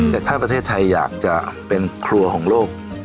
แต่ถ้าประเทศไทยอยากจะเป็นครัวของโลก